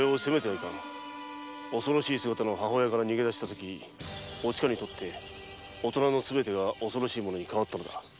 恐ろしい姿の母親から逃げ出したときおちかにとって大人のすべてが恐ろしいものに変わったのだ。